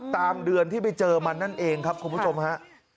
เดือนที่ไปเจอมันนั่นเองครับคุณผู้ชมฮะ